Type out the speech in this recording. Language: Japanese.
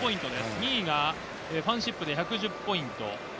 ２位がファンシップ１１０ポイント。